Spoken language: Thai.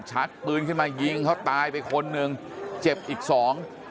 ชักปืนขึ้นมายิงเขาตายไปคนหนึ่งเจ็บอีกสอง